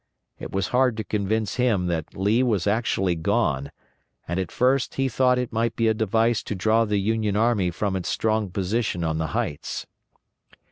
It was hard to convince him that Lee was actually gone, and at first he thought it might be a device to draw the Union army from its strong position on the heights.